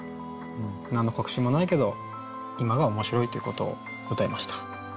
何の確信も無いけど今が面白いということを歌いました。